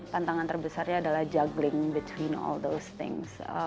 tantangan terbesarnya adalah juggling between all those things